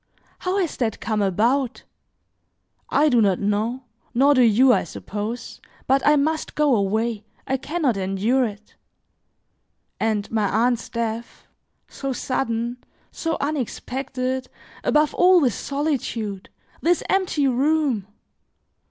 How has that come about? I do not know, nor do you, I suppose; but I must go away, I can not endure it. And my aunt's death, so sudden, so unexpected, above all this solitude! this empty room!